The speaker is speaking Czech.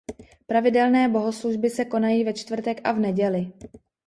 Pravidelné bohoslužby se konají ve čtvrtek a v neděli.